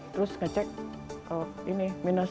terus ngecek ini minus